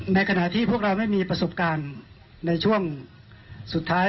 ในขณะที่พวกเราไม่มีประสบการณ์ในช่วงสุดท้าย